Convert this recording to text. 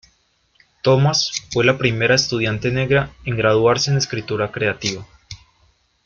Thomas fue la primera estudiante negra en graduarse en escritura creativa.